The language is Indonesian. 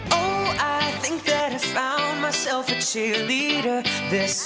saya menemukan diri saya sebagai pemimpin